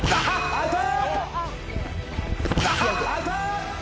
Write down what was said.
アウト。